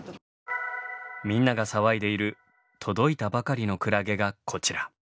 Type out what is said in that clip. みんなが騒いでいる届いたばかりのクラゲがこちら。